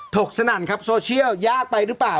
กสนั่นครับโซเชียลยากไปหรือเปล่า